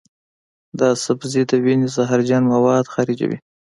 دا سبزی د وینې زهرجن مواد خارجوي.